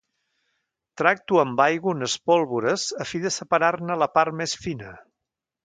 Tracto amb aigua unes pólvores a fi de separar-ne la part més fina.